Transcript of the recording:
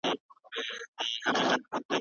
دیني پوهه زموږ د تېروتنو مخه نیسي.